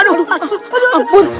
aduh aduh ampun